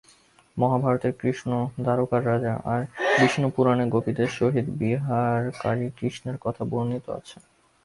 মহাভারতের কৃষ্ণ দ্বারকার রাজা, আর বিষ্ণুপুরাণে গোপীদের সহিত বিহারকারী কৃষ্ণের কথা বর্ণিত আছে।